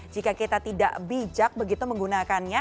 jika kita tidak bijak begitu menggunakannya